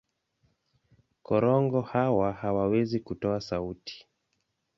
Korongo hawa hawawezi kutoa sauti.